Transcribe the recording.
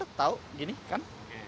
benar tau gini kan